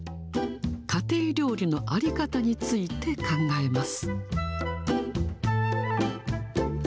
家庭料理の在り方について考えます。